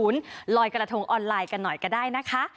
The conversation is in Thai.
ลอยกระทงออนไลน์กันหน่อยก็ได้นะคะ